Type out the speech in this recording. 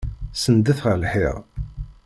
Senndet ɣer lḥiḍ!